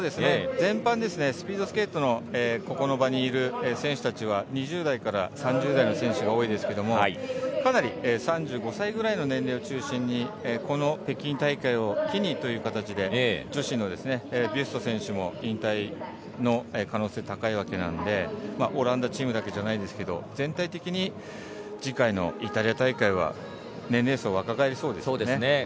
全般、スピードスケートのこの場にいる選手たちは２０代から３０代の選手が多いですが３５歳くらいの年齢を中心にこの北京大会を機にという形で女子のビュスト選手も引退の可能性も高いわけなのでオランダチームだけじゃないですけど、全体的に次回のイタリア大会は年齢層、若返りそうですね。